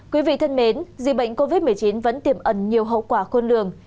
quý vị thân mến dịch bệnh covid một mươi chín vẫn tiềm ẩn nhiều hậu quả khôn lường